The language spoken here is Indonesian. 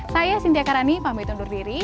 saya cynthia karani pamit undur diri